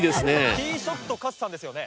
Ｔｅｅショット勝さんですよね？